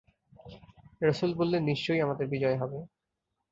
রাসূল বললেন, নিশ্চয় আমাদের বিজয় হবে।